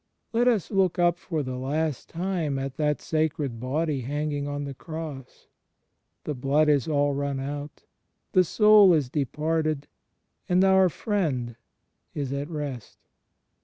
Let us look up for the last time at that Sacred Body hanging on the Cross. The Blood is all run out, the Soul is departed, and oiu: Friend is at rest.